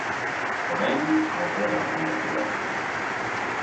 Orain, aurrera begiratu behar dugu.